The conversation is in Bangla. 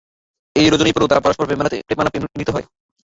এ রজনীর পরেও তারা পরস্পরে প্রেমালাপে মিলিত হয়।